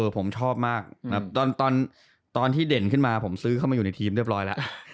ผมชอบมากตอนที่เด่นขึ้นมาผมซื้อเข้ามาอยู่ในทีมเรียบร้อยแล้ว